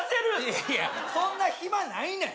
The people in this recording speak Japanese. いやいやそんな暇ないねん！